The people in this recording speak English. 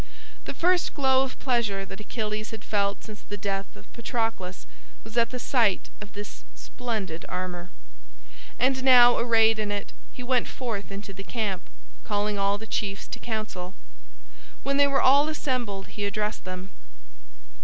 The first glow of pleasure that Achilles had felt since the death of Patroclus was at the sight of this splendid armor. And now, arrayed in it, he went forth into the camp, calling all the chiefs to council. When they were all assembled he addressed them.